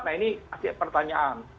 nah ini pertanyaan